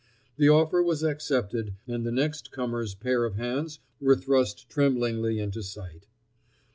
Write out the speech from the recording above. The offer was accepted and the next comer's pair of hands were thrust tremblingly into sight.